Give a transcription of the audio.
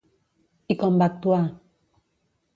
I com va actuar?